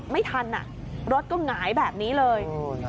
ไม่ทันรถก็หงายแบบนี้เลย